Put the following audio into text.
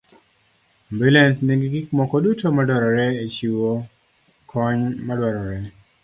ambulans nigi gik moko duto madwarore e chiwo kony madwarore.